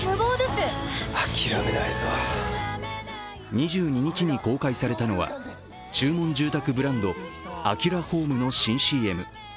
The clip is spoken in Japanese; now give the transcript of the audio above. ２２日に公開されたのは、注文住宅ブランドアキュラホームの新ＣＭ。